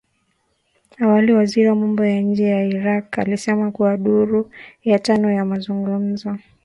Awali waziri wa mambo ya nje wa Iraq alisema kuwa duru ya tano ya mazungumzo